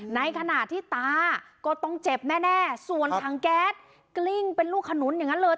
ในขณะที่ตาก็ต้องเจ็บแน่ส่วนถังแก๊สกลิ้งเป็นลูกขนุนอย่างนั้นเลย